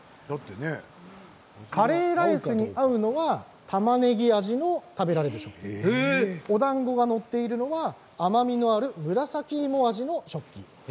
カレーライスに合うのはたまねぎ味の食べられる食器おだんごが載っているのは甘みのある紫芋の味の食器。